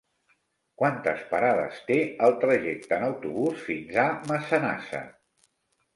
Quantes parades té el trajecte en autobús fins a Massanassa?